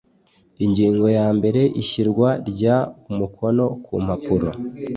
Ingingo yambere Ishyirwa ry umukono ku mpapuro